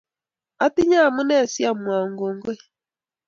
Atinye amune si amwoun kongoi